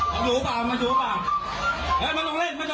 อยู่ป่ะอยู่ป่ะมันต้องเล่นมันต้องเล่น